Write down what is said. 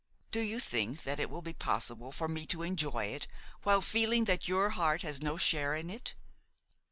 Do you think that it will be possible for me to enjoy it while feeling that your heart has no share in it?